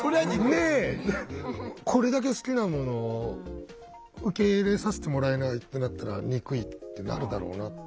これだけ好きなものを受け入れさせてもらえないってなったら憎いってなるだろうなって。